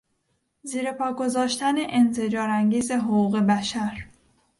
زیر پا گذاشتن انزجار انگیز حقوق بشر